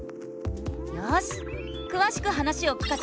よしくわしく話を聞かせてくれるかな？